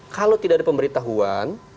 kalau tidak ada pemberitahuan